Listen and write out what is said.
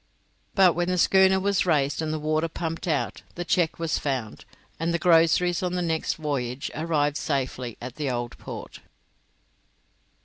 But when the schooner was raised and the water pumped out, the cheque was found, and the groceries on the next voyage arrived safely at the Old Port.